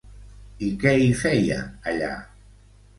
I què hi feia, allà?